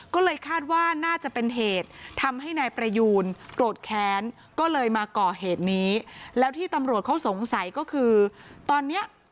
ก็เลยคาดว่าน่าจะเป็นเหตุทำให้นายประยูนโกรธแค้นก็เลยมาก่อเหตุนี้แล้วที่ตำรวจเขาสงสัยก็คือตอนเนี้ย